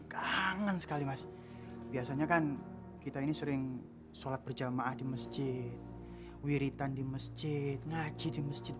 kalau masih nakal lagi jangan main kesini